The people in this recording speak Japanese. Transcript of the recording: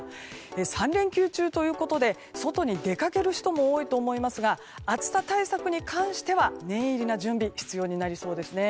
３連休中ということで、外に出かける人も多いと思いますが暑さ対策に関しては念入りな準備が必要になりそうです。